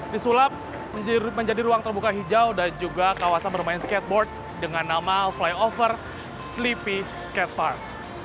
disulap menjadi ruang terbuka hijau dan juga kawasan bermain skateboard dengan nama flyover sleepy skatepark